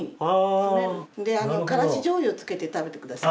からしじょうゆをつけて食べて下さい。